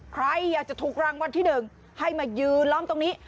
ใครจะถูกรังวันที่หนึ่งให้มายืนล้อมตรงนี้